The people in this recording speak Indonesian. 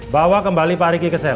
bawa kembali pak riki ke seri